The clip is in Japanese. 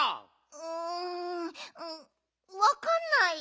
うんわかんない。